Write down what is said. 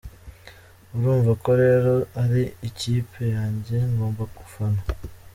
Urumva ko rero ari ikipe yanjye ngomba gufana”.